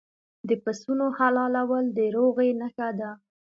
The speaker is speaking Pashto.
د پسونو حلالول د روغې نښه ده.